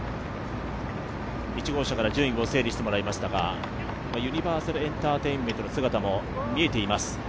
１号車から順位を整理してもらいましたが、ユニバーサルエンターテインメントの姿も見えています。